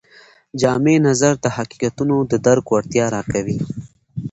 جامع نظر د حقیقتونو د درک وړتیا راکوي.